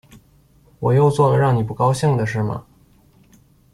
我又做了让你不高兴的事吗